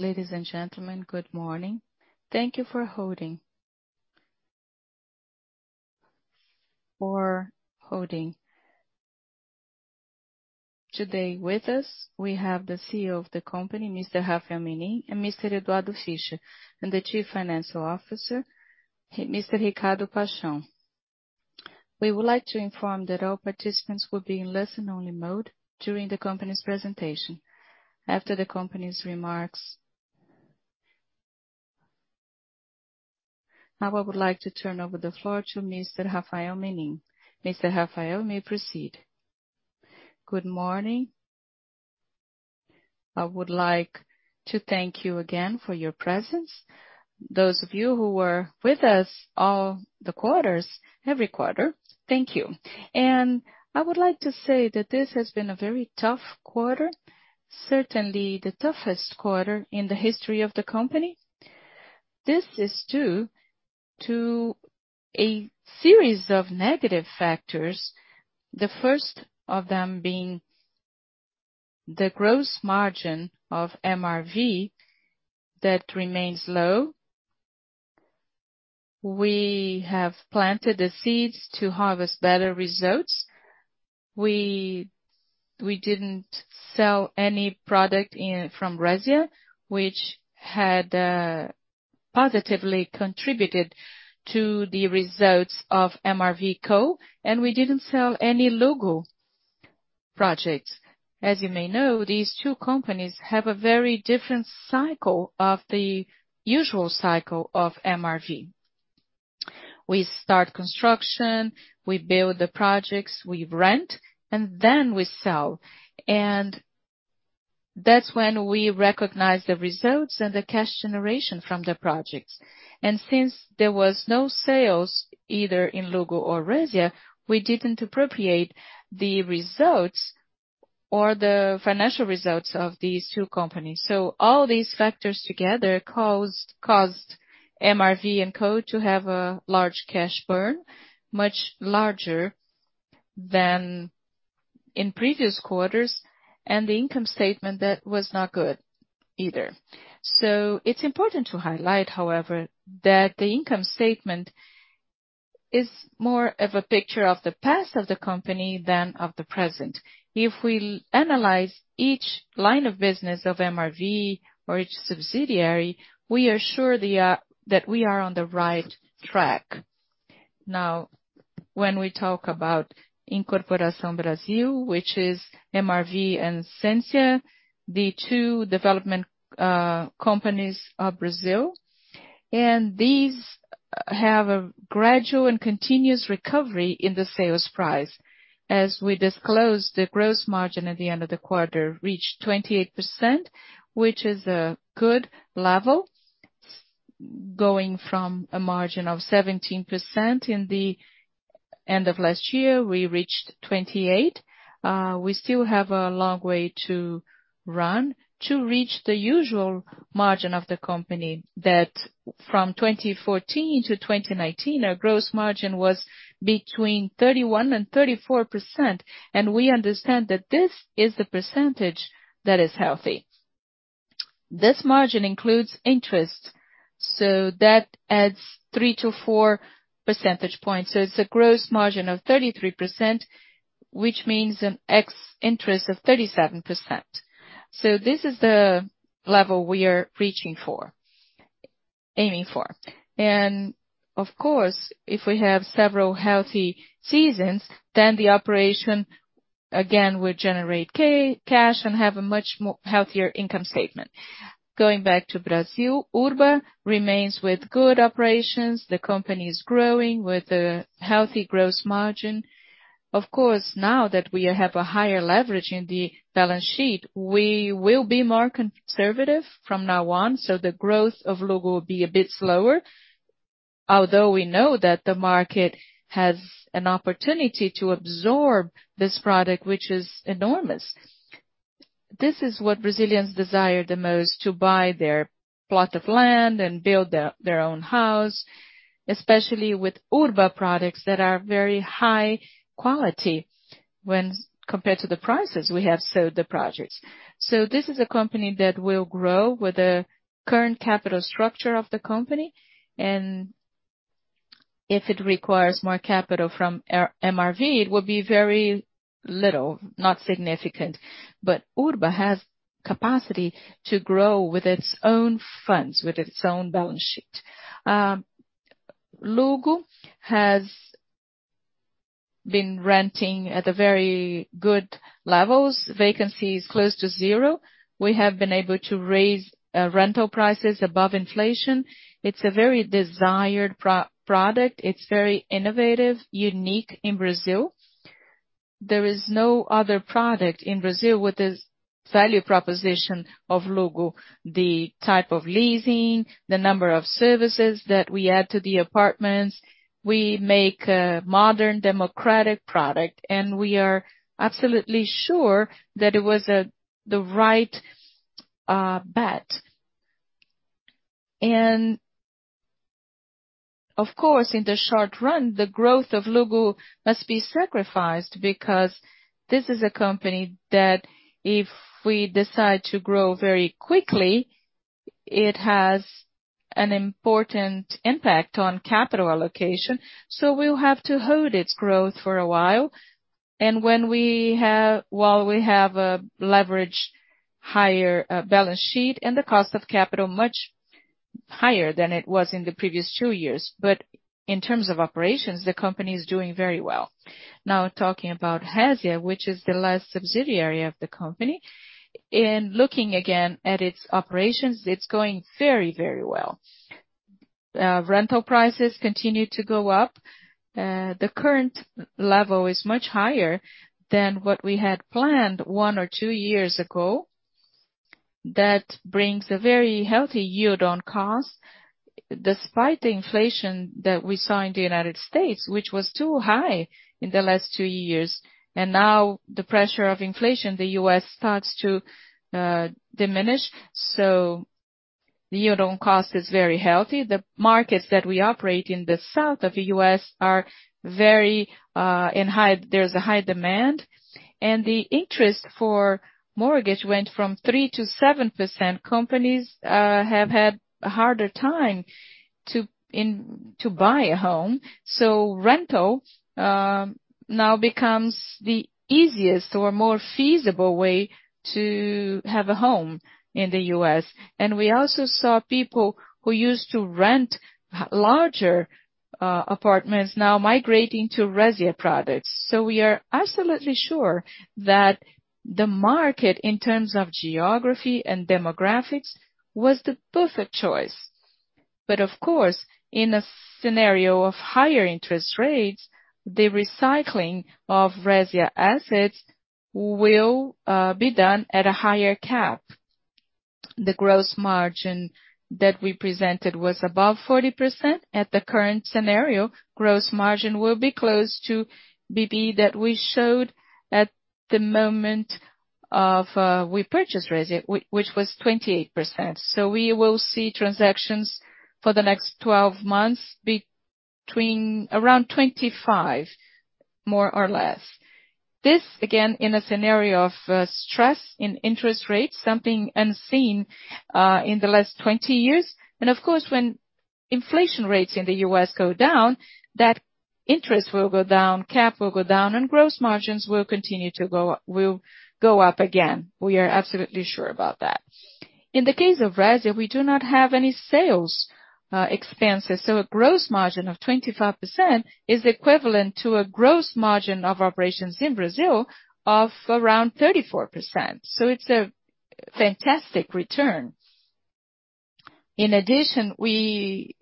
Ladies and gentlemen, good morning. Thank you for holding. Today with us, we have the CEO of the company, Mr. Rafael Menin and Mr. Eduardo Fischer, and the Chief Financial Officer, Mr. Ricardo Paixão. We would like to inform that all participants will be in listen-only mode during the company's presentation. After the company's remarks. Now I would like to turn over the floor to Mr. Rafael Menin. Mr. Rafael, you may proceed. Good morning. I would like to thank you again for your presence. Those of you who were with us all the quarters, every quarter, thank you. I would like to say that this has been a very tough quarter, certainly the toughest quarter in the history of the company. This is due to a series of negative factors, the first of them being the gross margin of MRV that remains low. We have planted the seeds to harvest better results. We didn't sell any product from Resia, which had positively contributed to the results of MRV&CO. We didn't sell any Luggo projects. As you may know, these two companies have a very different cycle from the usual cycle of MRV. We start construction, we build the projects, we rent, and then we sell. That's when we recognize the results and the cash generation from the projects. Since there was no sales either in Luggo or Resia, we didn't appropriate the results or the financial results of these two companies. All these factors together caused MRV&CO to have a large cash burn, much larger than in previous quarters, and the income statement that was not good either. It's important to highlight, however, that the income statement is more of a picture of the past of the company than of the present. If we analyze each line of business of MRV or each subsidiary, we are sure that we are on the right track. Now, when we talk about Incorporação Brasil, which is MRV and Sensia, the two development companies of Brazil. These have a gradual and continuous recovery in the sales price. As we disclosed, the gross margin at the end of the quarter reached 28%, which is a good level. Going from a margin of 17% in the end of last year, we reached 28%. We still have a long way to run to reach the usual margin of the company that from 2014 to 2019, our gross margin was between 31% and 34%, and we understand that this is the percentage that is healthy. This margin includes interest. That adds 3-4 percentage points. It's a gross margin of 33%, which means an ex-interest of 37%. This is the level we are aiming for. Of course, if we have several healthy seasons, then the operation, again, will generate cash and have a much healthier income statement. Going back to Brazil, Urba remains with good operations. The company is growing with a healthy gross margin. Of course, now that we have a higher leverage in the balance sheet, we will be more conservative from now on, so the growth of Luggo will be a bit slower. Although we know that the market has an opportunity to absorb this product, which is enormous. This is what Brazilians desire the most to buy their plot of land and build their own house, especially with Urba products that are very high quality when compared to the prices we have sold the projects. This is a company that will grow with the current capital structure of the company. If it requires more capital from MRV, it will be very little, not significant. Urba has capacity to grow with its own funds, with its own balance sheet. Luggo has been renting at a very good levels. Vacancy is close to zero. We have been able to raise rental prices above inflation. It's a very desired product. It's very innovative, unique in Brazil. There is no other product in Brazil with the value proposition of Luggo. The type of leasing, the number of services that we add to the apartments. We make a modern democratic product, and we are absolutely sure that it was the right bet. Of course, in the short run, the growth of Luggo must be sacrificed because this is a company that if we decide to grow very quickly, it has an important impact on capital allocation. So we'll have to hold its growth for a while. While we have a higher leverage balance sheet and the cost of capital much higher than it was in the previous two years. In terms of operations, the company is doing very well. Now talking about Resia, which is the last subsidiary of the company. In looking again at its operations, it's going very, very well. Rental prices continue to go up. The current level is much higher than what we had planned one or two years ago. That brings a very healthy yield on cost despite the inflation that we saw in the United States, which was too high in the last two years. Now the pressure of inflation, the U.S. starts to diminish. The yield on cost is very healthy. The markets that we operate in the South of the U.S. There's a high demand, and the interest for mortgage went from 3%-7%. Companies have had a harder time to buy a home, so rental now becomes the easiest or more feasible way to have a home in the U.S. We also saw people who used to rent larger apartments now migrating to Resia products. We are absolutely sure that the market, in terms of geography and demographics, was the perfect choice. Of course, in a scenario of higher interest rates, the recycling of Resia assets will be done at a higher cap. The gross margin that we presented was above 40%. At the current scenario, gross margin will be close to BP that we showed at the moment of we purchased Resia, which was 28%. We will see transactions for the next 12 months between around 25%, more or less. This, again, in a scenario of stress in interest rates, something unseen in the last 20 years. Of course, when inflation rates in the U.S. go down, that interest will go down, cap will go down, and gross margins will go up again. We are absolutely sure about that. In the case of Resia, we do not have any sales expenses. A gross margin of 25% is equivalent to a gross margin of operations in Brazil of around 34%. It's a fantastic return. In addition, we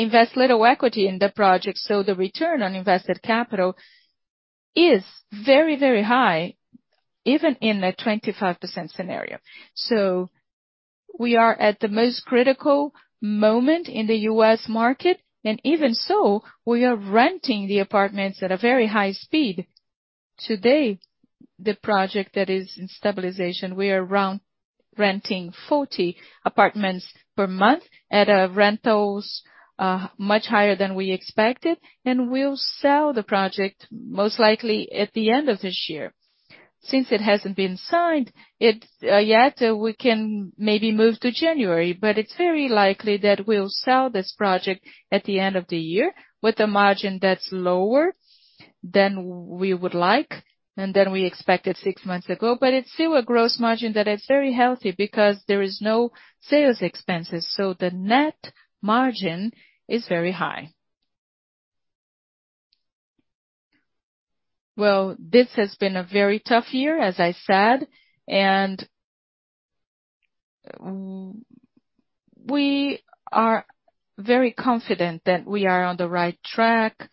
invest little equity in the project, so the return on invested capital is very, very high, even in a 25% scenario. We are at the most critical moment in the U.S. market, and even so, we are renting the apartments at a very high speed. Today, the project that is in stabilization, we are around renting 40 apartments per month at rentals much higher than we expected, and we'll sell the project most likely at the end of this year. Since it hasn't been signed yet, we can maybe move to January, but it's very likely that we'll sell this project at the end of the year with a margin that's lower than we would like and than we expected six months ago. It's still a gross margin that is very healthy because there is no sales expenses. The net margin is very high. This has been a very tough year, as I said, and we are very confident that we are on the right track.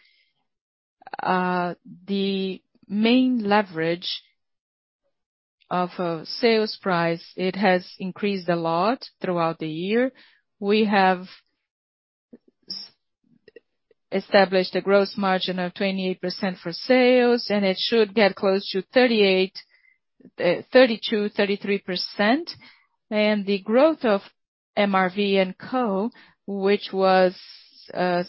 The main leverage of a sales price, it has increased a lot throughout the year. We have established a gross margin of 28% for sales, and it should get close to 38%, 32%, 33%. The growth of MRV&CO, which was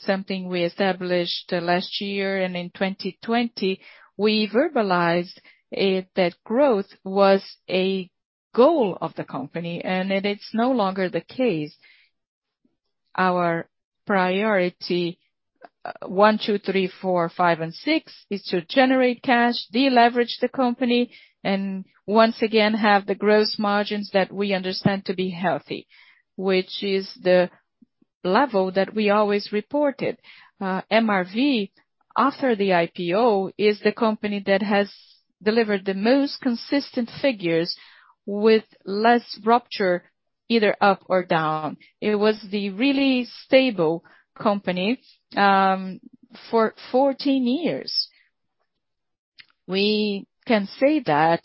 something we established last year and in 2020, we verbalized that growth was a goal of the company, and it is no longer the case. Our priority 1, 2, 3, 4, 5, and 6 is to generate cash, deleverage the company, and once again have the gross margins that we understand to be healthy, which is the level that we always reported. MRV, after the IPO, is the company that has delivered the most consistent figures with less rupture, either up or down. It was the really stable company for 14 years. We can say that,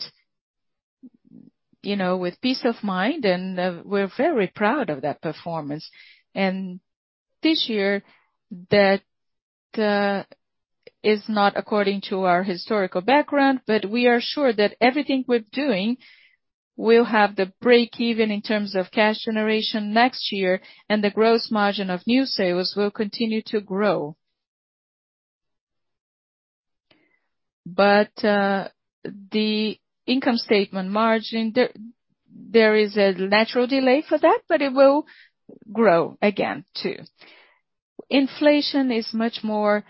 you know, with peace of mind, and we're very proud of that performance. This year is not according to our historical background, but we are sure that everything we're doing will have the break-even in terms of cash generation next year and the gross margin of new sales will continue to grow. The income statement margin, there is a natural delay for that, but it will grow again too. Inflation is much more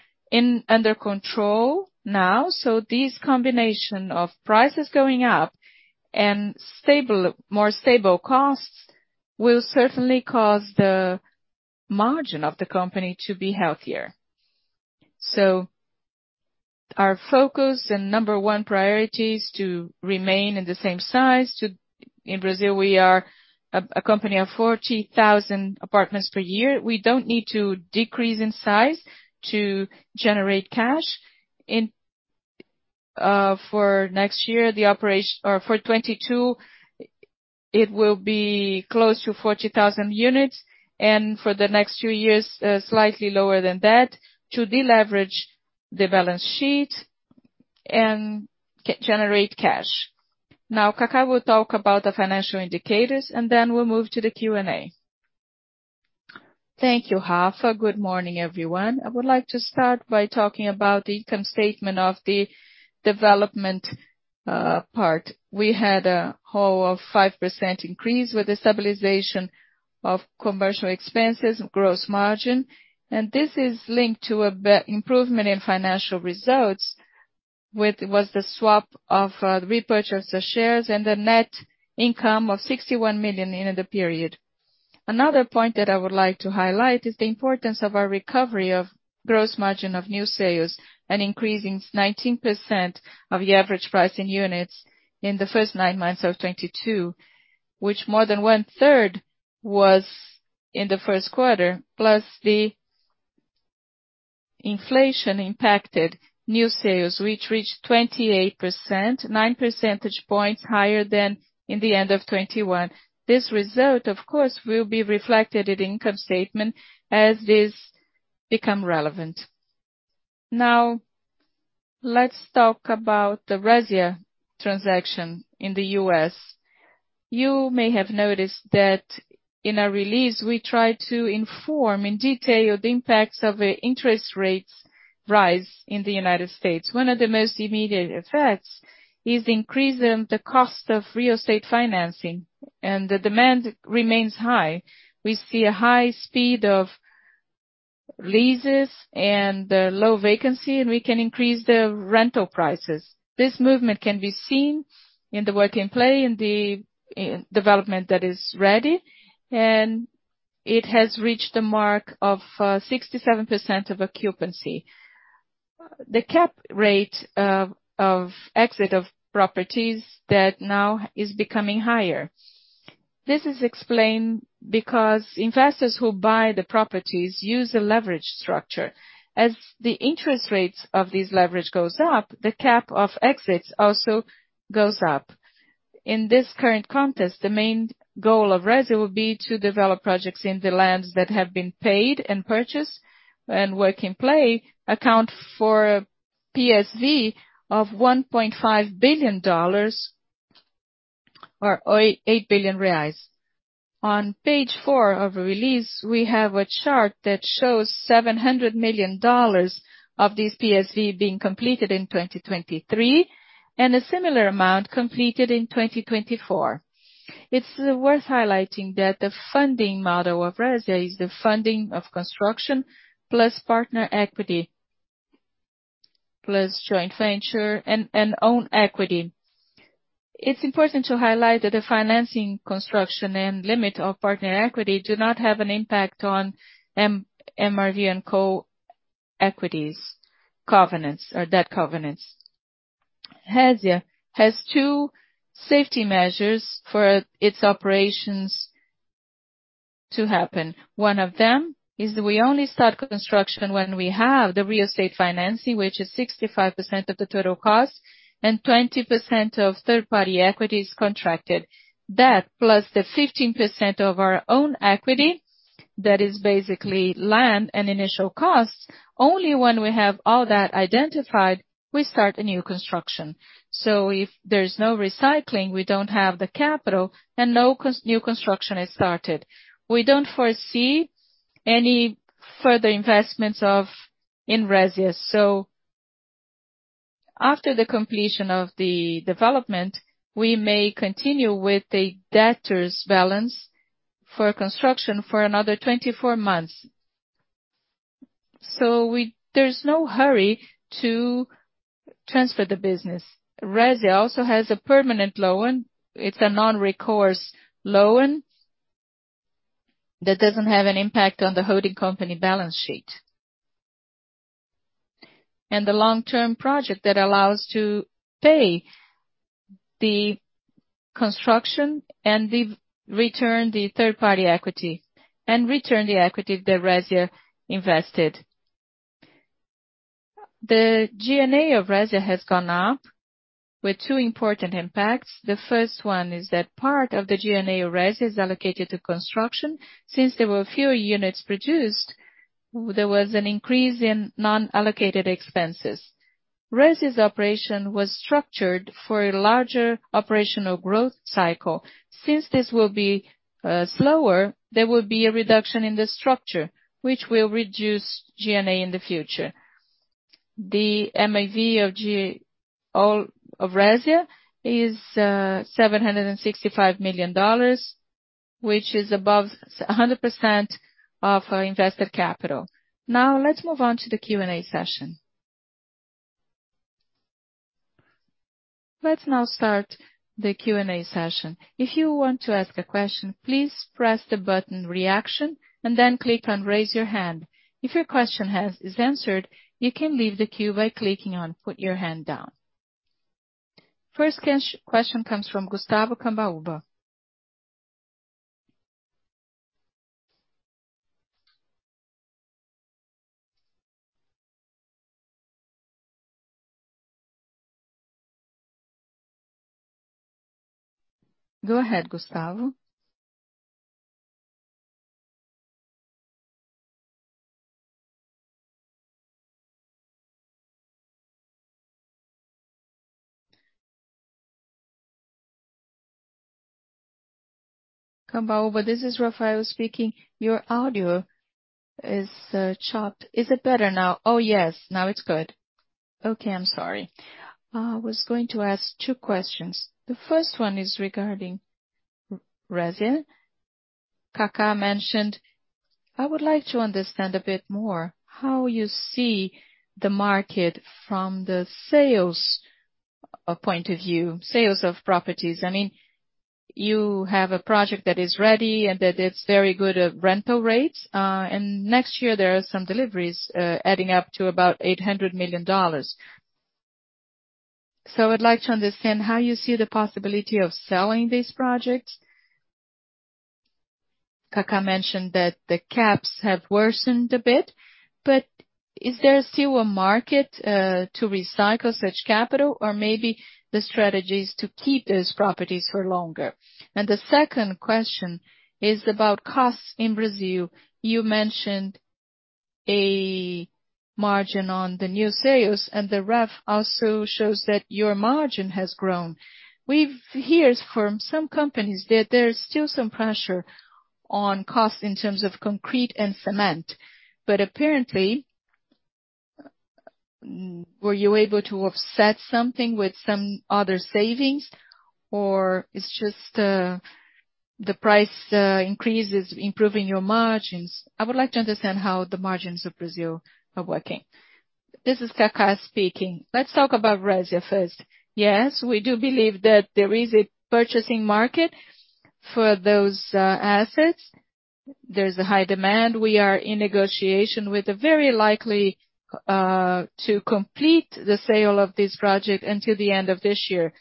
under control now. This combination of prices going up and more stable costs will certainly cause the margin of the company to be healthier. Our focus and number one priority is to remain in the same size. In Brazil, we are a company of 40,000 apartments per year. We don't need to decrease in size to generate cash. For 2022, it will be close to 40,000 units and for the next two years, slightly lower than that to deleverage the balance sheet and generate cash. Now Kaká will talk about the financial indicators and then we'll move to the Q&A. Thank you, Rafa. Good morning, everyone. I would like to start by talking about the income statement of the development part. We had an overall 5% increase with the stabilization of commercial expenses, gross margin, and this is linked to an improvement in financial results, which was the swap and the repurchase of shares and net income of 61 million in the period. Another point that I would like to highlight is the importance of our recovery of Gross Margin of new sales and increasing 19% of the average price in units in the first 9 months of 2022, which more than one-third was in the first quarter, plus the inflation impacted new sales, which reached 28%, 9 percentage points higher than in the end of 2021. This result of course will be reflected in income statement as this become relevant. Now let's talk about the Resia transaction in the U.S. You may have noticed that in our release we try to inform in detail the impacts of an interest rates rise in the United States. One of the most immediate effects is the increase in the cost of real estate financing and the demand remains high. We see a high speed of leases and low vacancy, and we can increase the rental prices. This movement can be seen in the work in progress in the development that is ready and it has reached a mark of 67% of occupancy. The cap rate of exit of properties that now is becoming higher. This is explained because investors who buy the properties use a leverage structure. As the interest rates of this leverage goes up, the cap of exits also goes up. In this current context, the main goal of Resia will be to develop projects in the lands that have been paid and purchased and work in progress account for PSV of $1.5 billion or 8 billion reais. On page four of the release we have a chart that shows $700 million of this PSV being completed in 2023 and a similar amount completed in 2024. It's worth highlighting that the funding model of Resia is the funding of construction plus partner equity, plus joint venture and own equity. It's important to highlight that the financing construction and limit of partner equity do not have an impact on MRV&CO equity covenants or debt covenants. Resia has two safety measures for its operations to happen. One of them is we only start construction when we have the real estate financing which is 65% of the total cost and 20% of third-party equity is contracted. That plus the 15% of our own equity, that is basically land and initial costs, only when we have all that identified, we start a new construction. If there's no recycling, we don't have the capital and no new construction is started. We don't foresee any further investments in Resia. After the completion of the development, we may continue with a debtor's balance for construction for another 24 months. There's no hurry to transfer the business. Resia also has a permanent loan. It's a non-recourse loan that doesn't have an impact on the holding company balance sheet. The long-term project that allows to pay the construction and return the third-party equity and the equity that Resia invested. The G&A of Resia has gone up with two important impacts. The first one is that part of the G&A of Resia is allocated to construction. Since there were fewer units produced, there was an increase in non-allocated expenses. Resia's operation was structured for a larger operational growth cycle. Since this will be slower, there will be a reduction in the structure, which will reduce G&A in the future. The NAV of all of Resia is $765 million, which is above 100% of our invested capital. Now, let's move on to the Q&A session. Let's now start the Q&A session. If you want to ask a question, please press the button Reaction and then click on Raise Your Hand. If your question is answered, you can leave the queue by clicking on Put Your Hand Down. First question comes from Gustavo Cambaúva. Go ahead. Gustavo Cambaúva, this is Rafael speaking. Your audio is chopped. Is it better now? Oh, yes. Now it's good. Okay, I'm sorry. Was going to ask two questions. The first one is regarding Resia. Kaká mentioned... I would like to understand a bit more how you see the market from the sales, point of view, sales of properties. I mean, you have a project that is ready and that it's very good rental rates. Next year there are some deliveries, adding up to about $800 million. I'd like to understand how you see the possibility of selling these projects. Ricardo Paixão mentioned that the cap rates have worsened a bit, but is there still a market to recycle such capital? Or maybe the strategy is to keep these properties for longer. The second question is about costs in Brazil. You mentioned a margin on the new sales, and the rev also shows that your margin has grown. We've heard from some companies that there's still some pressure on costs in terms of concrete and cement. Apparently, were you able to offset something with some other savings? Or it's just the price increases improving your margins? I would like to understand how the margins of Brazil are working. This is Kaká speaking. Let's talk about Resia first. Yes, we do believe that there is a purchasing market for those assets. There's a high demand. We are in negotiation with a very likely to complete the sale of this project until the end of this year.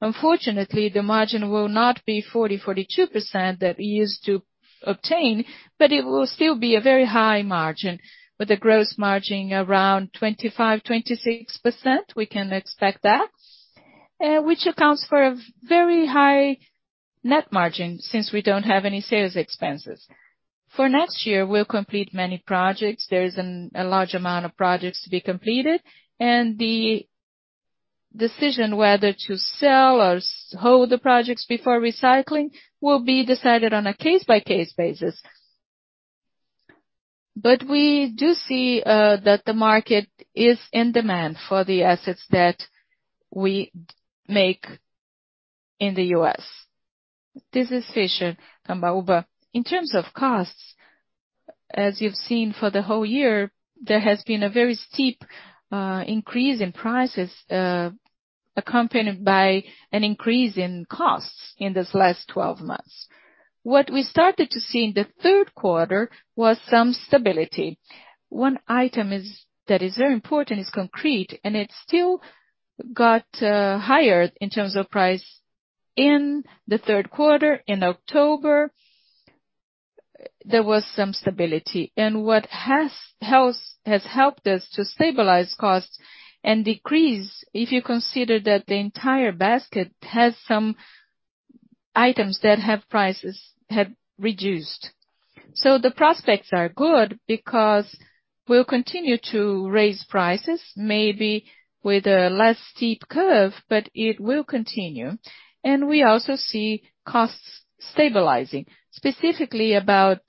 Unfortunately, the margin will not be 40-42% that we used to obtain, but it will still be a very high margin, with a gross margin around 25%-26%, we can expect that, which accounts for a very high net margin since we don't have any sales expenses. For next year, we'll complete many projects. There's a large amount of projects to be completed, and the decision whether to sell or hold the projects before recycling will be decided on a case-by-case basis. We do see that the market is in demand for the assets that we develop in the U.S. This is Eduardo Fischer. In terms of costs, as you've seen for the whole year, there has been a very steep increase in prices accompanied by an increase in costs in this last 12 months. What we started to see in the third quarter was some stability. One item that is very important is concrete, and it still got higher in terms of price. In the third quarter, in October, there was some stability. What has helped us to stabilize costs and decrease if you consider that the entire basket has some items that have prices that have reduced. The prospects are good because we'll continue to raise prices, maybe with a less steep curve, but it will continue. We also see costs stabilizing. Specifically about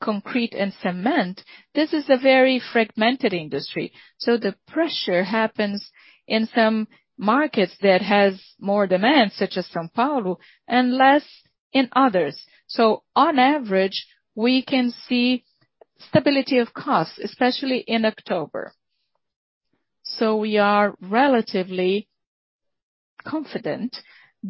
concrete and cement, this is a very fragmented industry, so the pressure happens in some markets that has more demand, such as São Paulo, and less in others. On average, we can see stability of costs, especially in October. We are relatively confident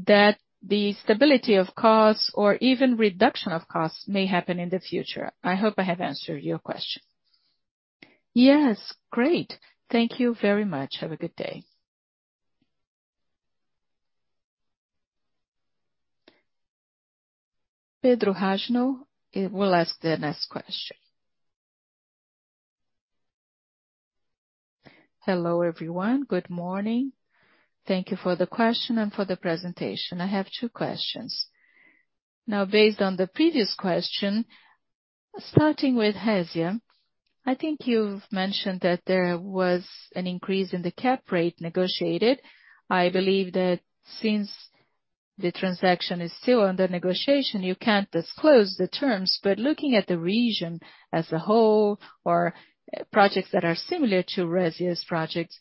that the stability of costs or even reduction of costs may happen in the future. I hope I have answered your question. Yes. Great. Thank you very much. Have a good day. Pedro Paranaguá will ask the next question. Hello, everyone. Good morning. Thank you for the question and for the presentation. I have two questions. Now, based on the previous question, starting with Resia, I think you've mentioned that there was an increase in the cap rate negotiated. I believe that since the transaction is still under negotiation, you can't disclose the terms. Looking at the region as a whole or projects that are similar to Resia's projects,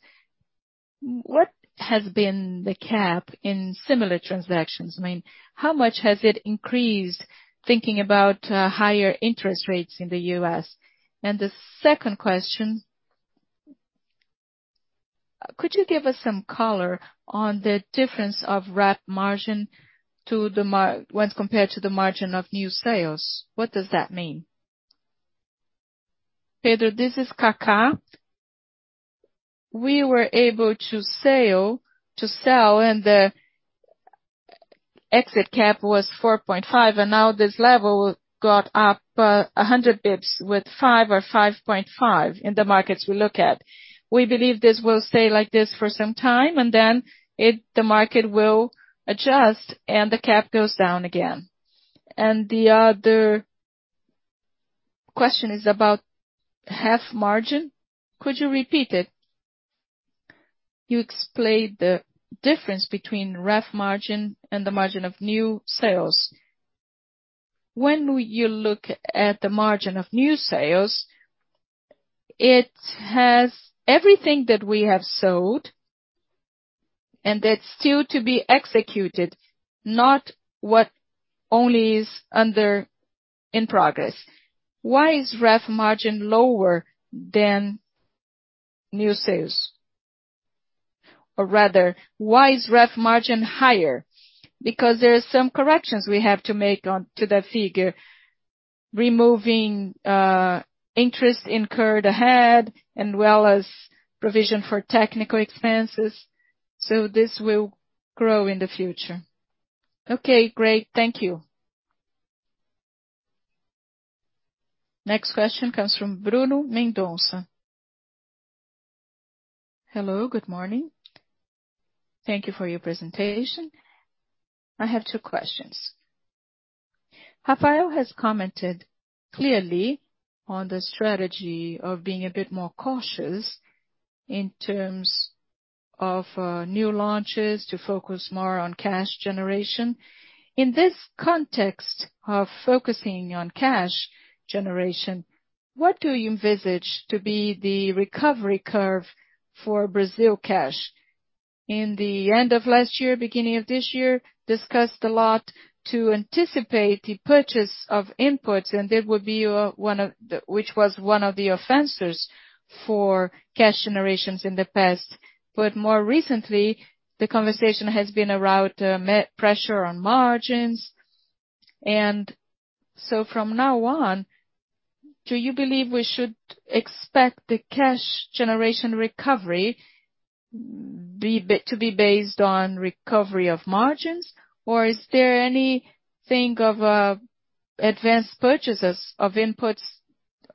what has been the cap in similar transactions? I mean, how much has it increased thinking about higher interest rates in the U.S.? The second question, could you give us some color on the difference of REF margin to the margin when compared to the margin of new sales? What does that mean? Pedro, this is Ricardo Paixão. We were able to sell, and exit cap was 4.5, and now this level got up 100 basis points with 5 or 5.5 in the markets we look at. We believe this will stay like this for some time, and then the market will adjust, and the cap goes down again. The other question is about gross margin. Could you repeat it? You explained the difference between gross margin and the margin of new sales. When you look at the margin of new sales, it has everything that we have sold and that's still to be executed, not only what is in progress. Why is gross margin lower than new sales? Or rather, why is gross margin higher? Because there are some corrections we have to make onto that figure. Removing interest incurred ahead as well as provision for technical expenses. So this will grow in the future. Okay, great. Thank you. Next question comes from Bruno Mendonça. Hello, good morning. Thank you for your presentation. I have two questions. Rafael has commented clearly on the strategy of being a bit more cautious in terms of new launches to focus more on cash generation. In this context of focusing on cash generation, what do you envisage to be the recovery curve for Brazil cash? In the end of last year, beginning of this year, discussed a lot to anticipate the purchase of inputs, and that would be one of the sources for cash generation in the past. But more recently, the conversation has been around margin pressure on margins. From now on, do you believe we should expect the cash generation recovery to be based on recovery of margins? Or is there anything of advanced purchases of inputs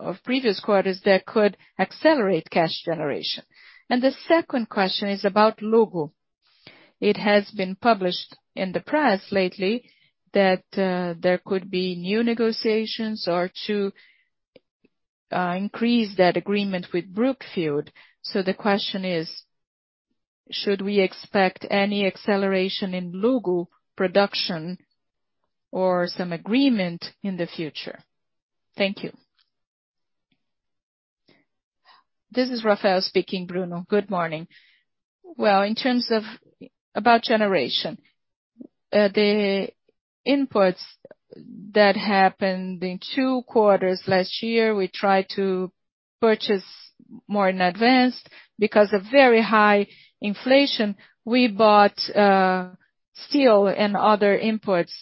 of previous quarters that could accelerate cash generation? The second question is about Luggo. It has been published in the press lately that there could be new negotiations or to increase that agreement with Brookfield. The question is: Should we expect any acceleration in Luggo production or some agreement in the future? Thank you. This is Rafael Menin speaking, Bruno Mendonça. Good morning. In terms of cash generation, the advance purchases of inputs in two quarters last year, we tried to purchase more in advance. Because of very high inflation, we bought steel and other inputs.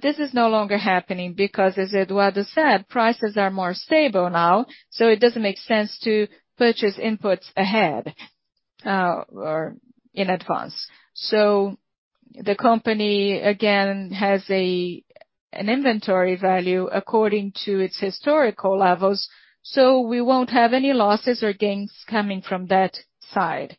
This is no longer happening because as Eduardo said, prices are more stable now, so it doesn't make sense to purchase inputs ahead or in advance. The company, again, has an inventory value according to its historical levels, so we won't have any losses or gains coming from that side.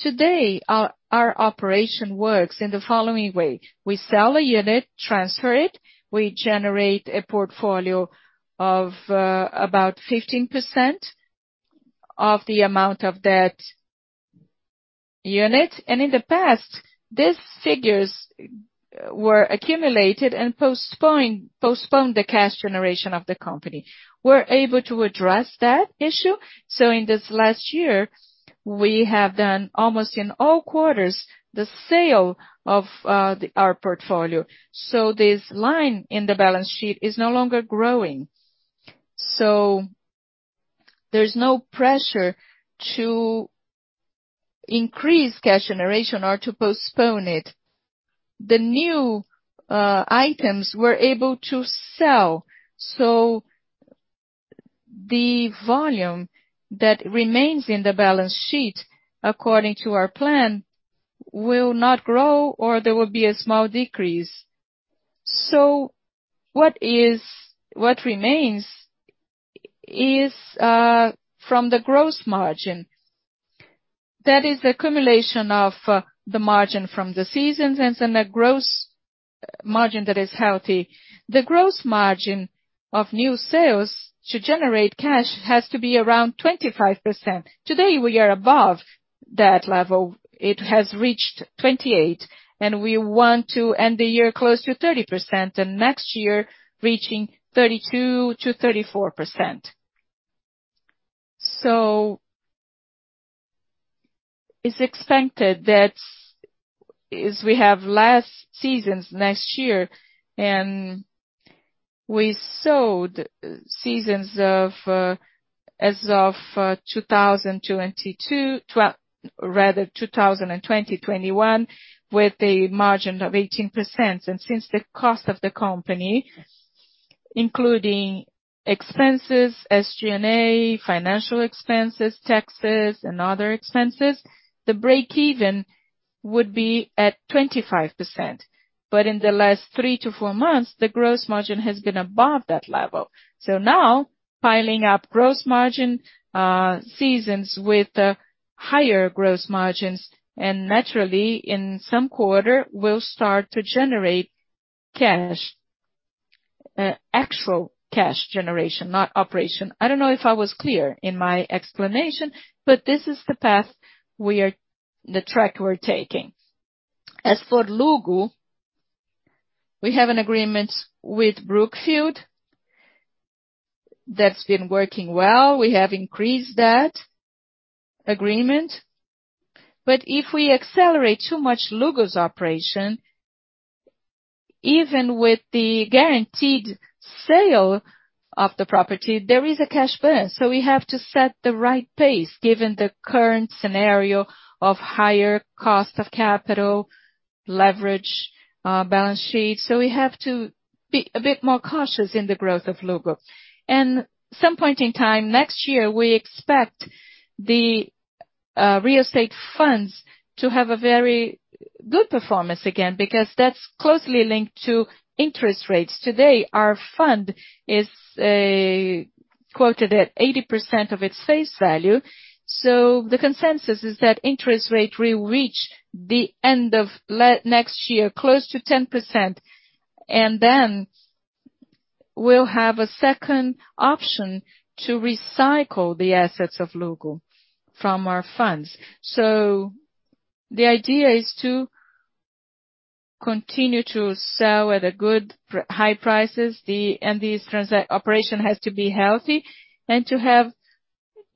Today, our operation works in the following way: We sell a unit, transfer it, we generate a portfolio of about 15% of the amount of that unit. In the past, these figures were accumulated and postponed the cash generation of the company. We're able to address that issue. In this last year, we have done almost in all quarters the sale of our portfolio. This line in the balance sheet is no longer growing. There's no pressure to increase cash generation or to postpone it. The new items we're able to sell. The volume that remains in the balance sheet according to our plan will not grow or there will be a small decrease. What remains is from the gross margin. That is the accumulation of the margin from the sales and then a gross margin that is healthy. The gross margin of new sales to generate cash has to be around 25%. Today, we are above that level. It has reached 28% and we want to end the year close to 30% and next year reaching 32%-34%. It's expected that as we have less sales next year and we sold sales as of 2021 with a margin of 18%. Since the cost of the company, including expenses, SG&A, financial expenses, taxes and other expenses, the break-even would be at 25%. In the last 3-4 months, the gross margin has been above that level. Now piling up gross margin, scenarios with higher gross margins and naturally in some quarter will start to generate cash. Actual cash generation, not operation. I don't know if I was clear in my explanation, but this is the path we are the track we're taking. As for Luggo, we have an agreement with Brookfield that's been working well. We have increased that agreement. If we accelerate too much Luggo's operation, even with the guaranteed sale of the property, there is a cash burn. We have to set the right pace given the current scenario of higher cost of capital leverage, balance sheet. We have to be a bit more cautious in the growth of Luggo. At some point in time next year, we expect the real estate funds to have a very good performance again, because that's closely linked to interest rates. Today, our fund is quoted at 80% of its face value. The consensus is that the Selic rate will reach close to 10% at the end of next year. Then we'll have a second option to recycle the assets of Luggo from our funds. The idea is to continue to sell at high prices. These operations have to be healthy. To have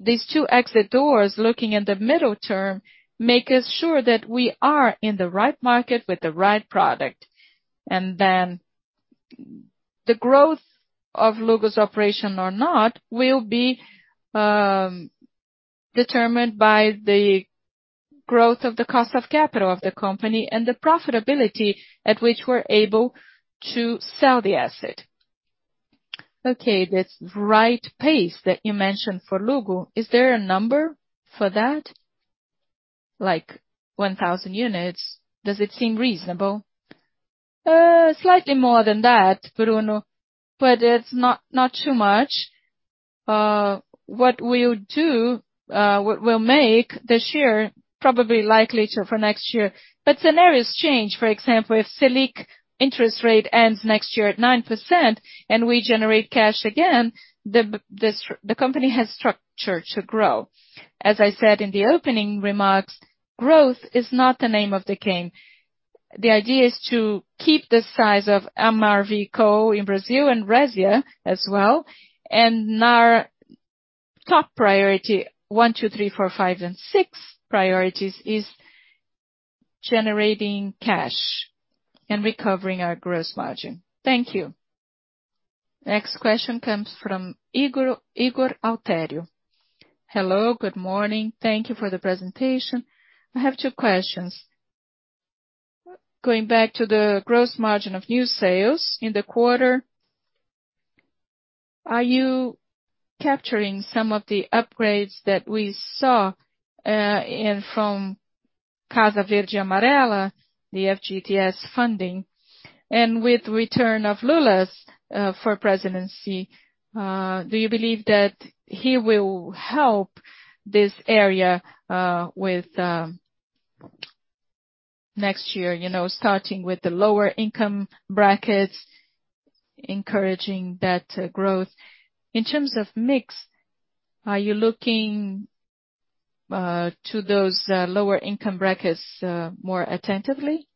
these two exit doors looking in the medium term makes us sure that we are in the right market with the right product. The growth of Luggo's operation or not will be determined by the growth of the cost of capital of the company and the profitability at which we're able to sell the asset. Okay. This right pace that you mentioned for Luggo, is there a number for that? Like 1,000 units? Does it seem reasonable? Slightly more than that, Bruno, but it's not too much. What we'll do, we'll make this year probably likely 1,000 for next year. Scenarios change. For example, if Selic interest rate ends next year at 9% and we generate cash again, the company has structure to grow. As I said in the opening remarks, growth is not the name of the game. The idea is to keep the size of MRV&CO in Brazil and Resia as well. Our top priority 1, 2, 3, 4, 5 and 6 priorities is generating cash and recovering our gross margin. Thank you. Next question comes from Ygor Altero. Hello. Good morning. Thank you for the presentation. I have two questions. Going back to the gross margin of new sales in the quarter, are you capturing some of the upgrades that we saw in from Casa Verde e Amarela, the FGTS funding? And with return of Lula's for presidency, do you believe that he will help this area with next year, you know, starting with the lower income brackets, encouraging that growth? In terms of mix, are you looking to those lower income brackets more attentively?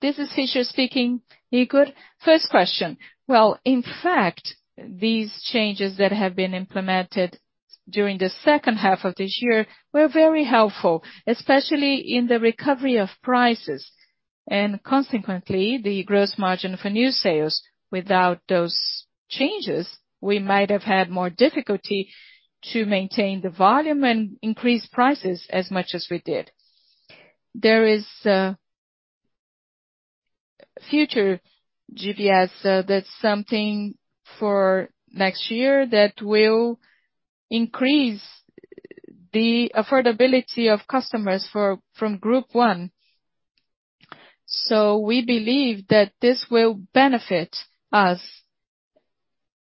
This is Eduardo Fischer speaking. Ygor Altero, first question. Well, in fact, these changes that have been implemented during the second half of this year were very helpful, especially in the recovery of prices and consequently the gross margin for new sales. Without those changes, we might have had more difficulty to maintain the volume and increase prices as much as we did. There is FGTS Futuro. That's something for next year that will increase the affordability of customers from Faixa 1. We believe that this will benefit us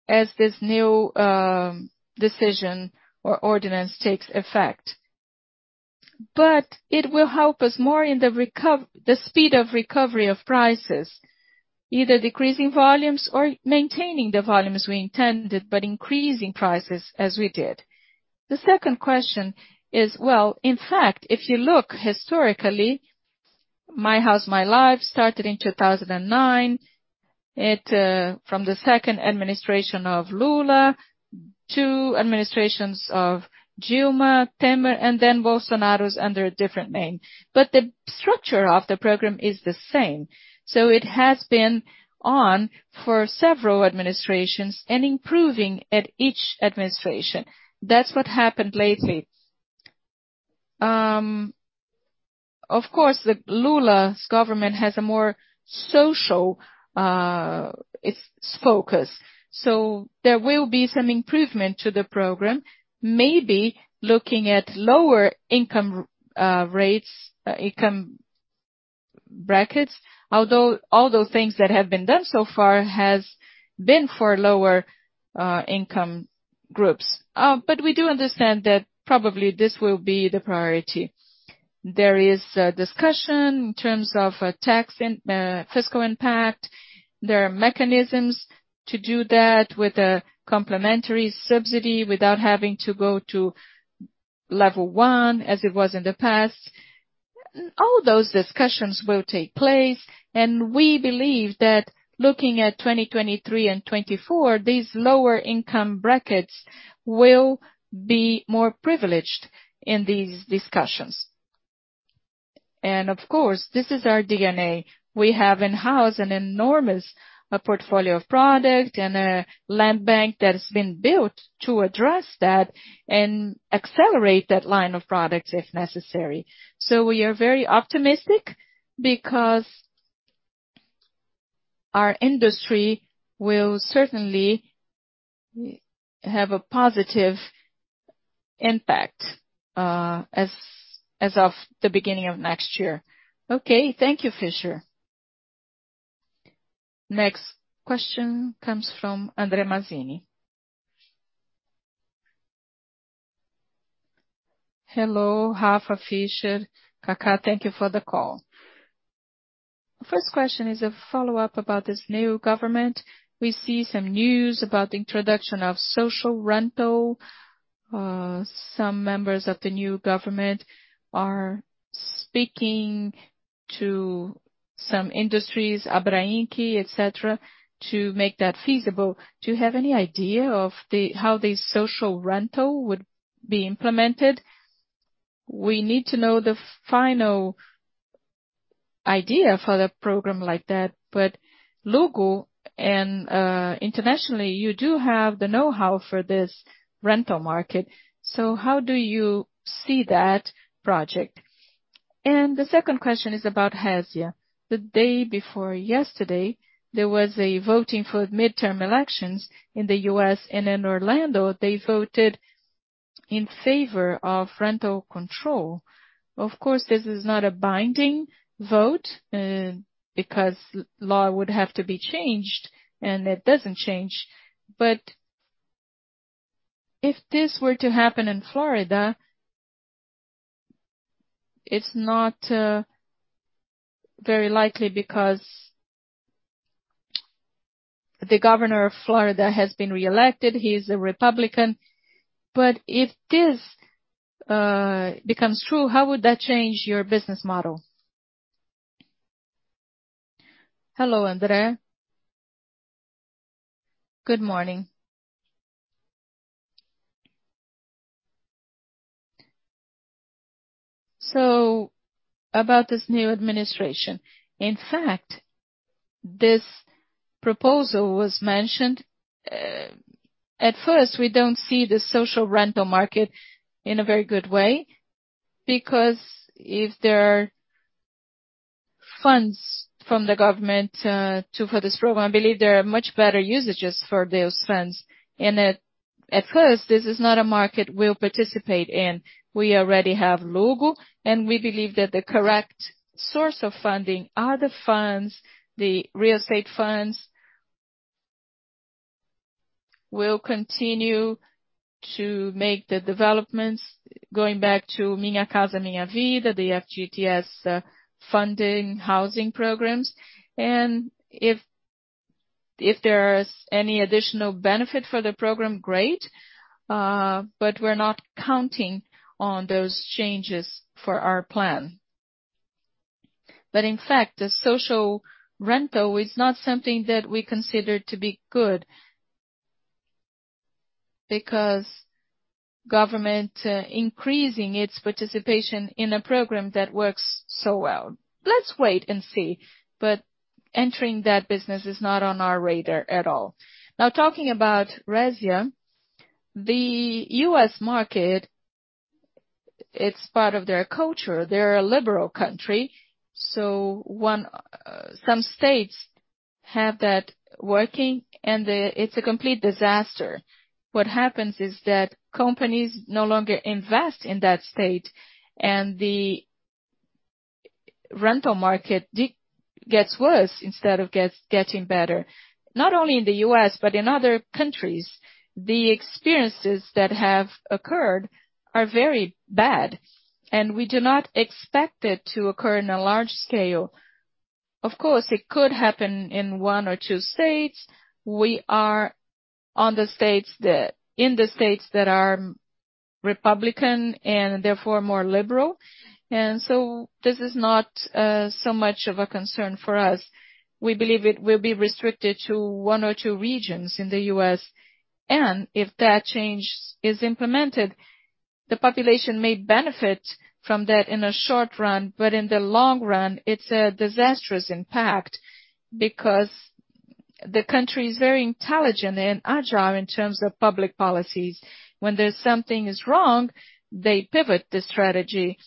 as this new decision or ordinance takes effect. It will help us more in the speed of recovery of prices, either decreasing volumes or maintaining the volumes we intended, but increasing prices as we did. The second question is, well, in fact, if you look historically, Minha Casa, Minha Vida started in 2009. It from the second administration of Lula, two administrations of Dilma, Temer, and then Bolsonaro's under a different name. The structure of the program is the same. It has been on for several administrations and improving at each administration. That's what happened lately. Of course, Lula's government has a more social its focus. There will be some improvement to the program, maybe looking at lower income rates, income brackets. Although all those things that have been done so far has been for lower income groups. We do understand that probably this will be the priority. There is a discussion in terms of a tax and fiscal impact. There are mechanisms to do that with a complementary subsidy without having to go to level one as it was in the past. All those discussions will take place, and we believe that looking at 2023 and 2024, these lower income brackets will be more privileged in these discussions. Of course, this is our DNA. We have in-house an enormous portfolio of product and a land bank that has been built to address that and accelerate that line of products if necessary. We are very optimistic because our industry will certainly have a positive impact as of the beginning of next year. Okay, thank you, Fischer. Next question comes from André Mazini. Hello, Rafa, Fischer, Kaká. Thank you for the call. First question is a follow-up about this new government. We see some news about the introduction of social rental. Some members of the new government are speaking to some industries, Abrainc, et cetera, to make that feasible. Do you have any idea of how the social rental would be implemented? We need to know the final idea for the program like that. But Luggo and internationally, you do have the know-how for this rental market. So how do you see that project? And the second question is about Resia. The day before yesterday, there was a voting for midterm elections in the U.S., and in Orlando, they voted in favor of rent control. Of course, this is not a binding vote, because law would have to be changed, and it doesn't change. But if this were to happen in Florida. It's not very likely because the governor of Florida has been reelected. He is a Republican. But if this becomes true, how would that change your business model? Hello, André. Good morning. about this new administration. In fact, this proposal was mentioned. At first, we don't see the social rental market in a very good way, because if there are funds from the government, for this program, I believe there are much better usages for those funds. At first, this is not a market we'll participate in. We already have Luggo, and we believe that the correct source of funding are the funds, the real estate funds. We'll continue to make the developments going back to Minha Casa, Minha Vida, the FGTS funding housing programs. If there is any additional benefit for the program, great. We're not counting on those changes for our plan. In fact, the social rental is not something that we consider to be good because government increasing its participation in a program that works so well. Let's wait and see. Entering that business is not on our radar at all. Now, talking about Resia, the U.S. market. It's part of their culture. They're a liberal country, so some states have that working, and it's a complete disaster. What happens is that companies no longer invest in that state, and the rental market gets worse instead of getting better. Not only in the U.S., but in other countries, the experiences that have occurred are very bad, and we do not expect it to occur in a large scale. Of course, it could happen in one or two states. We are in the states that are Republican and therefore more liberal. This is not so much of a concern for us. We believe it will be restricted to one or two regions in the U.S. If that change is implemented, the population may benefit from that in the short run. In the long run, it's a disastrous impact because the country is very intelligent and agile in terms of public policies. When there's something is wrong, they pivot the strategy.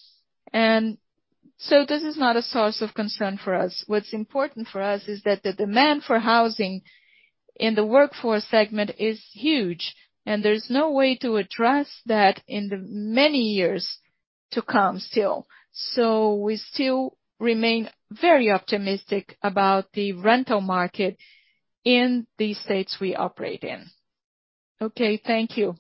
This is not a source of concern for us. What's important for us is that the demand for housing in the workforce segment is huge, and there's no way to address that in the many years to come still. We still remain very optimistic about the rental market in the states we operate in. Okay, thank you.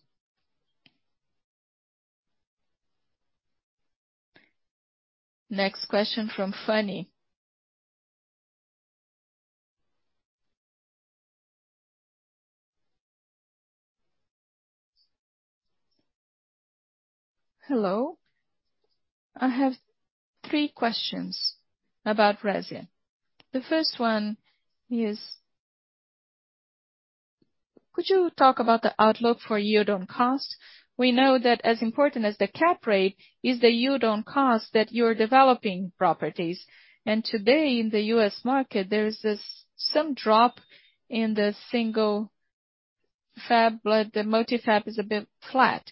Next question from Fanny Oreng. Hello. I have three questions about Resia. The first one is: Could you talk about the outlook for yield on cost? We know that as important as the cap rate is the yield on cost that you're developing properties. Today in the U.S. market, there's some drop in the single-family, but the multi-family is a bit flat.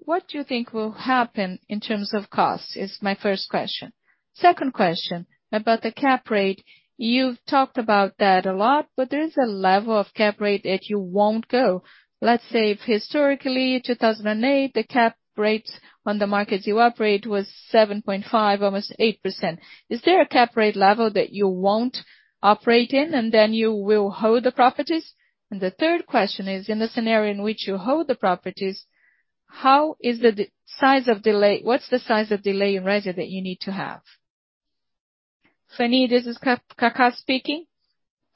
What do you think will happen in terms of cost, is my first question. Second question about the cap rate. You've talked about that a lot, but there is a level of cap rate that you won't go. Let's say historically, 2008, the cap rates on the markets you operate was 7.5%, almost 8%. Is there a cap rate level that you won't operate in and then you will hold the properties? The third question is, in the scenario in which you hold the properties, what's the size of delay in Resia that you need to have? Fanny Oreng, this is Kaká speaking.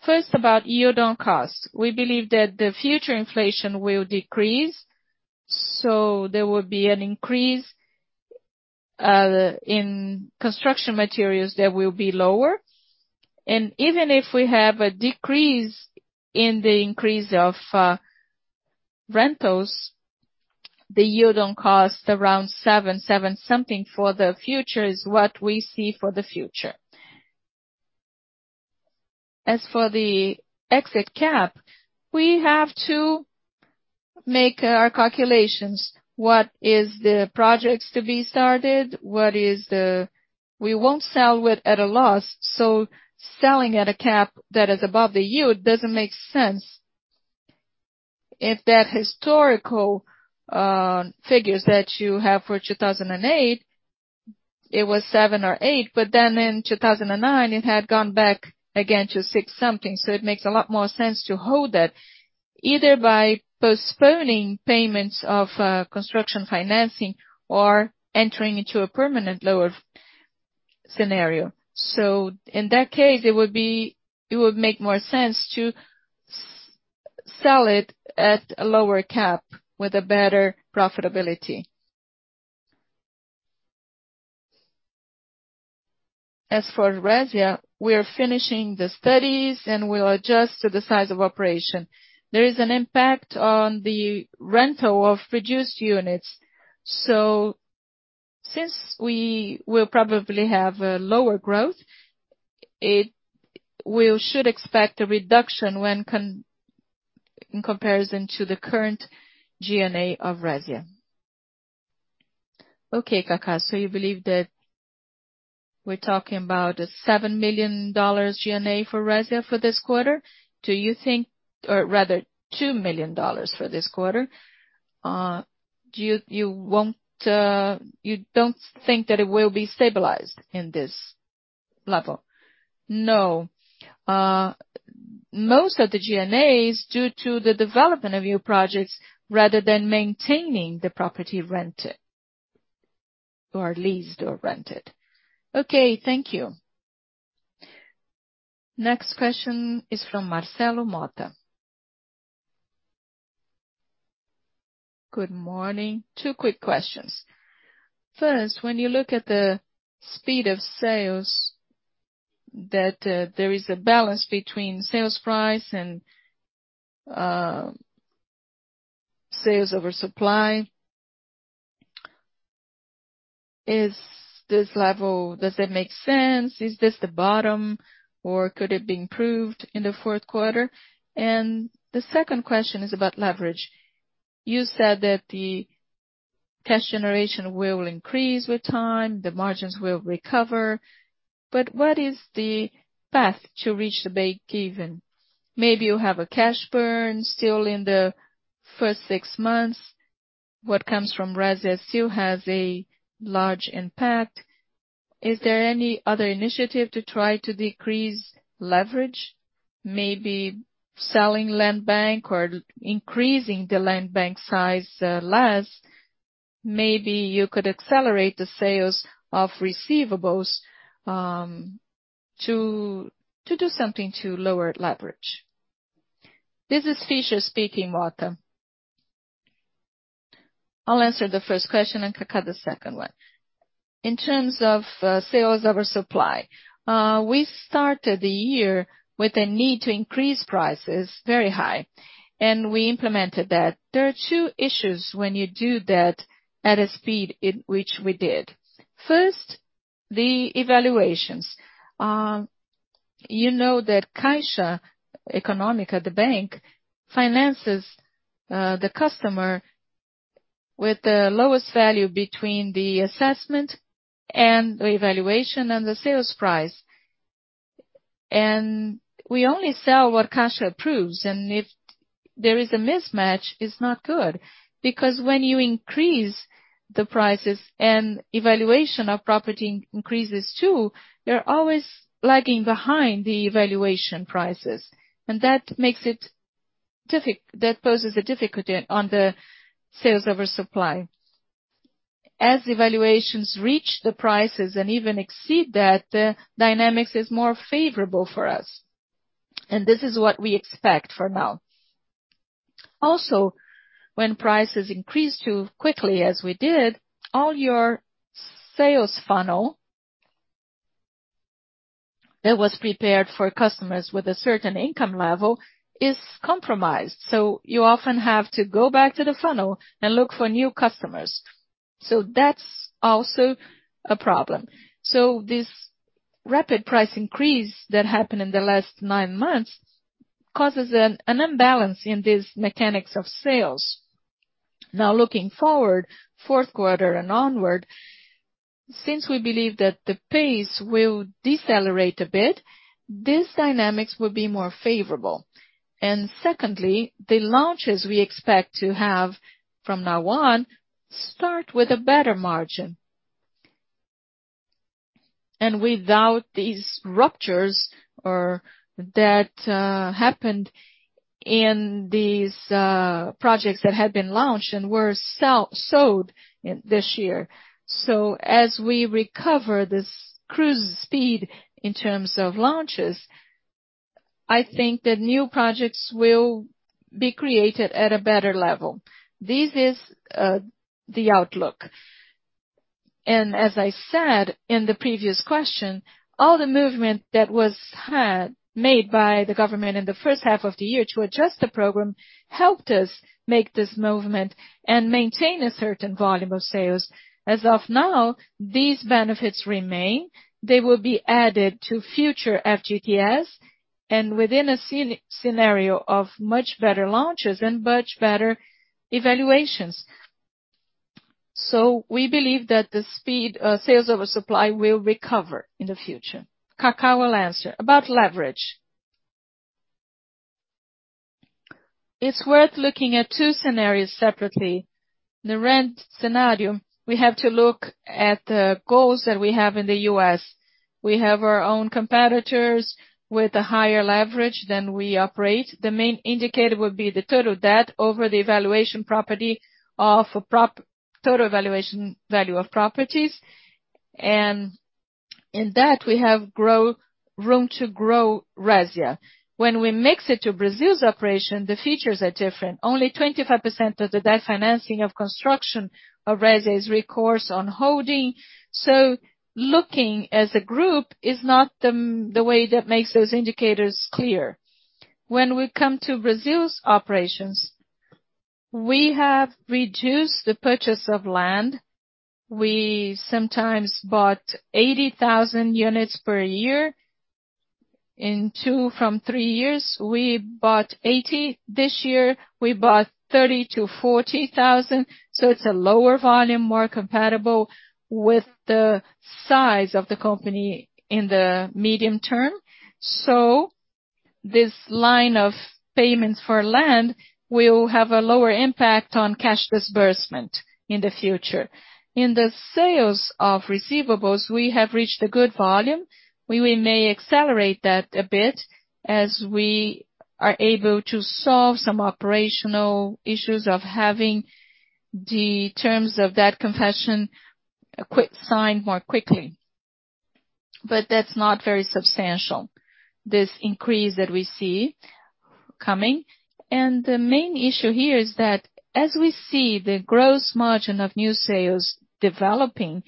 First about yield on cost. We believe that the future inflation will decrease, so there will be an increase in construction materials that will be lower. Even if we have a decrease in the increase of rentals, the yield on cost around 7-something% for the future is what we see for the future. As for the exit cap, we have to make our calculations. What are the projects to be started? We won't sell at a loss, so selling at a cap that is above the yield doesn't make sense. If that historical figures that you have for 2008, it was 7% or 8%, but then in 2009 it had gone back again to 6-something%. It makes a lot more sense to hold that either by postponing payments of construction financing or entering into a permanent loan scenario. In that case, it would make more sense to sell it at a lower cap with a better profitability. As for Resia, we are finishing the studies and we'll adjust to the size of operation. There is an impact on the rental of reduced units. Since we will probably have a lower growth, we should expect a reduction in comparison to the current G&A of Resia. Okay, Kaká. You believe that we're talking about a $7 million G&A for Resia for this quarter. Or rather $2 million for this quarter. You don't think that it will be stabilized in this level? No. Most of the G&A is due to the development of new projects rather than maintaining the property rented or leased. Okay. Thank you. Next question is from Marcelo Motta. Good morning. Two quick questions. First, when you look at the speed of sales, that there is a balance between sales price and sales over supply. Is this level, does it make sense? Is this the bottom or could it be improved in the fourth quarter? And the second question is about leverage. You said that the cash generation will increase with time, the margins will recover. What is the path to reach the break-even? Maybe you have a cash burn still in the first six months. What comes from Resia still has a large impact. Is there any other initiative to try to decrease leverage, maybe selling land bank or increasing the land bank size, less? Maybe you could accelerate the sales of receivables, to do something to lower leverage. This is Eduardo Fischer speaking, Marcelo Motta. I'll answer the first question and Ricardo Paixão the second one. In terms of sales over supply, we started the year with a need to increase prices very high, and we implemented that. There are two issues when you do that at a speed in which we did. First, the evaluations. You know that Caixa Econômica Federal, the bank, finances the customer with the lowest value between the assessment and the evaluation and the sales price. We only sell what Caixa approves. If there is a mismatch, it's not good. Because when you increase the prices and evaluation of property increases too, you're always lagging behind the evaluation prices. That poses a difficulty on the sales oversupply. As evaluations reach the prices and even exceed that, the dynamics is more favorable for us. This is what we expect for now. Also, when prices increase too quickly as we did, all your sales funnel that was prepared for customers with a certain income level is compromised. You often have to go back to the funnel and look for new customers. That's also a problem. This rapid price increase that happened in the last nine months causes an imbalance in this mechanics of sales. Now looking forward, fourth quarter and onward, since we believe that the pace will decelerate a bit, this dynamics will be more favorable. Secondly, the launches we expect to have from now on start with a better margin. Without these ruptures that happened in these projects that had been launched and were sold in this year. As we recover this cruise speed in terms of launches, I think that new projects will be created at a better level. This is the outlook. As I said in the previous question, all the movement that was made by the government in the first half of the year to adjust the program helped us make this movement and maintain a certain volume of sales. As of now, these benefits remain. They will be added to future FGTS and within a scenario of much better launches and much better evaluations. We believe that the speed sales oversupply will recover in the future. Kaká will answer about leverage. It's worth looking at two scenarios separately. The rent scenario, we have to look at the goals that we have in the U.S. We have our own competitors with a higher leverage than we operate. The main indicator would be the total debt over the total evaluation value of properties. In that we have room to grow Resia. When we mix it to Brazil's operation, the features are different. Only 25% of the debt financing of construction of Resia is recourse on holding. Looking as a group is not the way that makes those indicators clear. When we come to Brazil's operations, we have reduced the purchase of land. We sometimes bought 80,000 units per year. In two out of three years, we bought 80. This year, we bought 30,000-40,000. It's a lower volume, more compatible with the size of the company in the medium term. This line of payments for land will have a lower impact on cash disbursement in the future. In the sales of receivables, we have reached a good volume. We may accelerate that a bit as we are able to solve some operational issues of having the terms of that cession quickly signed more quickly. That's not very substantial, this increase that we see coming. The main issue here is that as we see the gross margin of new sales developing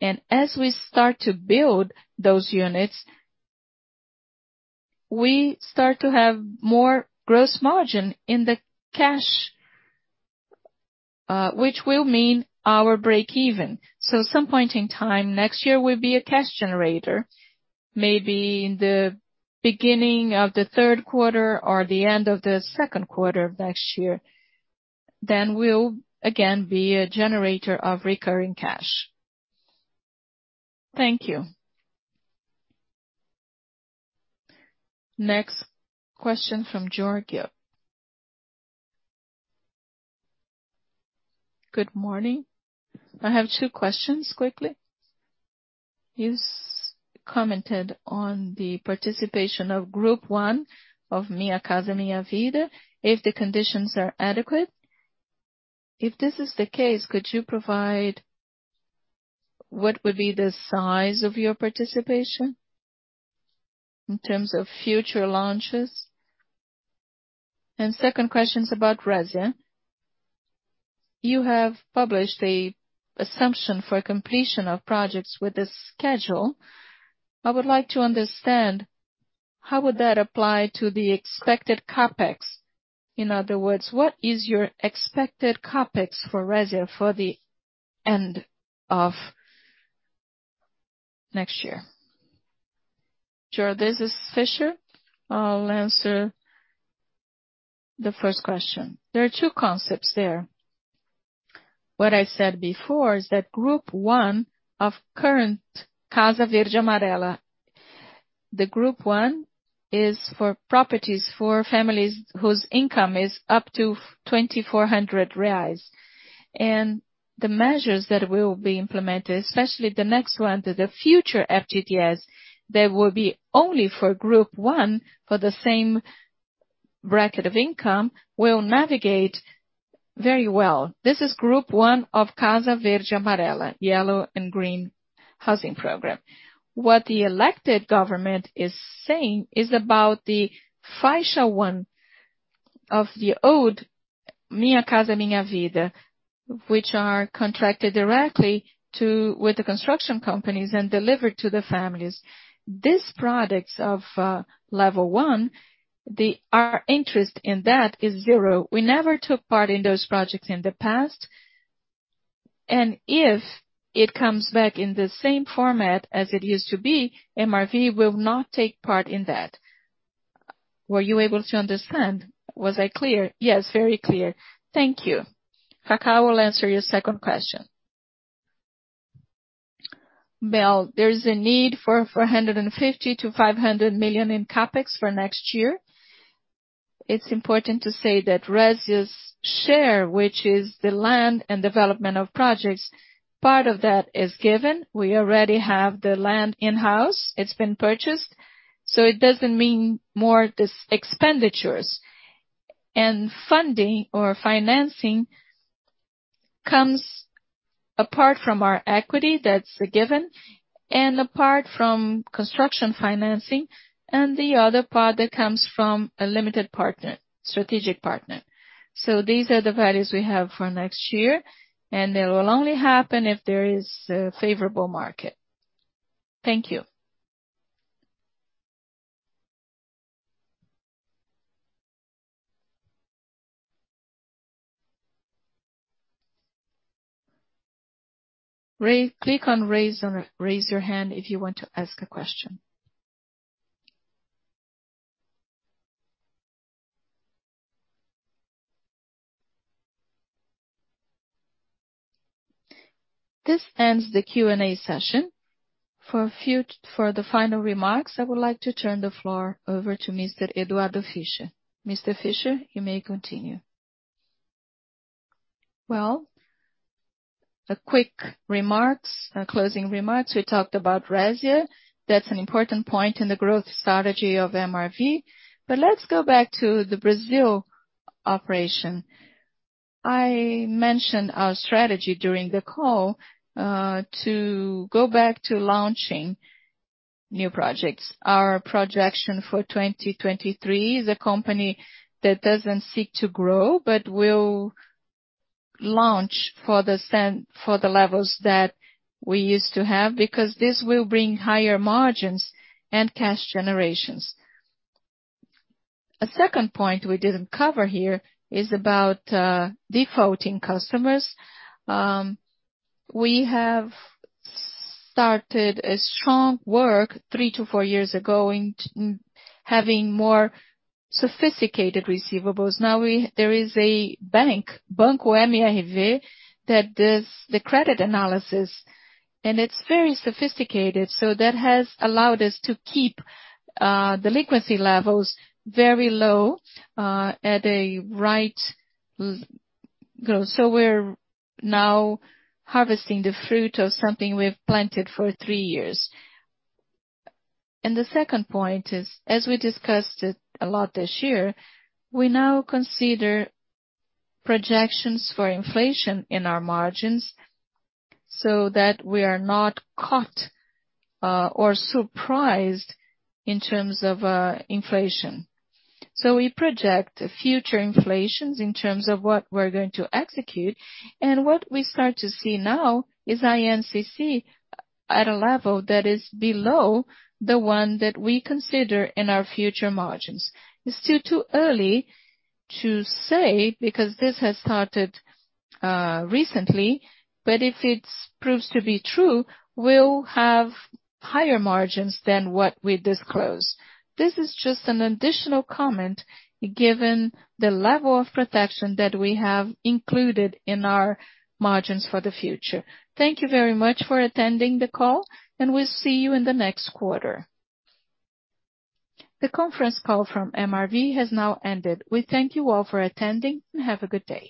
and as we start to build those units. We start to have more gross margin in the cash, which will mean our break-even. Some point in time next year will be a cash generator. Maybe in the beginning of the third quarter or the end of the second quarter of next year. We'll again be a generator of recurring cash. Thank you. Next question from Giorgio. Good morning. I have two questions quickly. You commented on the participation of group one of Minha Casa, Minha Vida, if the conditions are adequate. If this is the case, could you provide what would be the size of your participation in terms of future launches? And second question's about Resia. You have published an assumption for completion of projects with the schedule. I would like to understand how would that apply to the expected CapEx? In other words, what is your expected CapEx for Resia for the end of next year? Sure. This is Fischer. I'll answer the first question. There are two concepts there. What I said before is that Faixa 1 of current Casa Verde Amarela, the Faixa 1 is for properties for families whose income is up to 2,400 reais. The measures that will be implemented, especially the next one to the FGTS Futuro, that will be only for Faixa 1 for the same bracket of income, will navigate very well. This is Faixa 1 of Casa Verde Amarela, Yellow and Green Housing Program. What the elected government is saying is about the Faixa 1 of the old Minha Casa, Minha Vida, which are contracted directly with the construction companies and delivered to the families. These products of level one, our interest in that is zero. We never took part in those projects in the past. If it comes back in the same format as it used to be, MRV will not take part in that. Were you able to understand? Was I clear? Yes, very clear. Thank you. Kaká will answer your second question. Well, there is a need for 450-500 million in CapEx for next year. It's important to say that Resia's share, which is the land and development of projects, part of that is given. We already have the land in-house. It's been purchased. It doesn't mean more disbursements. Funding or financing comes apart from our equity, that's a given, and apart from construction financing and the other part that comes from a limited partner, strategic partner. These are the values we have for next year, and it will only happen if there is a favorable market. Thank you. Ray, raise your hand if you want to ask a question. This ends the Q&A session. For the final remarks, I would like to turn the floor over to Mr. Eduardo Fischer. Mr. Fischer, you may continue. Well, quick remarks, closing remarks. We talked about Resia. That's an important point in the growth strategy of MRV. Let's go back to the Brazil operation. I mentioned our strategy during the call to go back to launching new projects. Our projection for 2023 is a company that doesn't seek to grow, but will launch for the levels that we used to have, because this will bring higher margins and cash generations. A second point we didn't cover here is about defaulting customers. We have started a strong work 3-4 years ago in having more sophisticated receivables. There is a bank, Banco MRV, that does the credit analysis, and it's very sophisticated. That has allowed us to keep delinquency levels very low at a rate of growth. We're now harvesting the fruit of something we've planted for three years. The second point is, as we discussed it a lot this year, we now consider projections for inflation in our margins so that we are not caught or surprised in terms of inflation. We project future inflations in terms of what we're going to execute. What we start to see now is INCC at a level that is below the one that we consider in our future margins. It's still too early to say, because this has started recently, but if it proves to be true, we'll have higher margins than what we disclose. This is just an additional comment, given the level of protection that we have included in our margins for the future. Thank you very much for attending the call, and we'll see you in the next quarter. The conference call from MRV has now ended. We thank you all for attending, and have a good day.